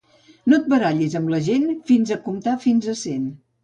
No et barallis amb la gent fins a comptar fins a cent.